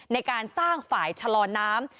ในการสร้างฝ่ายชะลอน้ำ